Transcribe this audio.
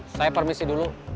saya permisi dulu